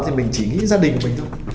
thì mình chỉ nghĩ gia đình mình thôi